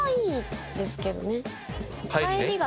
帰りが。